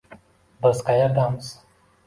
— Biz qaerdamiz?